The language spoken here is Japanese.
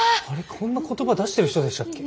こんな言葉出してる人でしたっけ？